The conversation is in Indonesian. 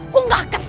kok gak akan